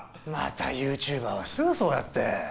またユーチューバーはすぐそうやって。